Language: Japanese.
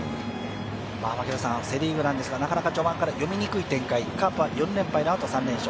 セ・リーグなんですが、序盤から読みにくい展開、カープは４連敗のあと、３連勝。